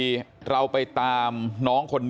มต้นหนาเอาไปดูคลิปก่อนครับ